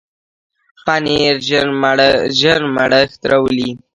پنېر ژر مړښت راولي.